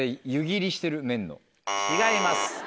違います。